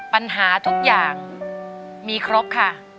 ปัญหาทุกอย่างมีครบค่ะ